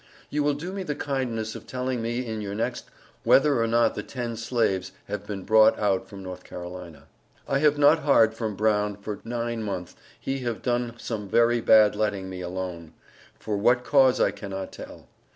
You will do me the kindness of telling me in your next whether or not the ten slaves have been Brought out from N.C. I have not hard from Brown for Nine month he have done some very Bad letting me alone, for what cause I cannot tell.